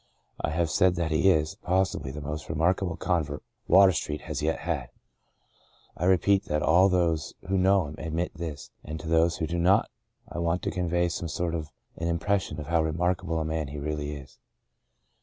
I have said that he is, possibly, the most remarkable convert Water Street has yet had. I repeat that all those who know him admit this, and to those who do not I want to convey some sort of an impression of how remark able a man he really is.